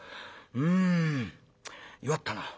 うん弱ったな。